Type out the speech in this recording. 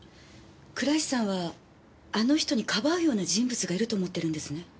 倉石さんはあの人にかばうような人物がいると思ってるんですね？